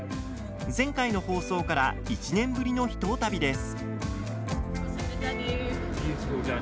前回の放送から１年ぶりの秘湯旅です。